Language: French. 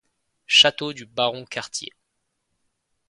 Château du baron Cartier.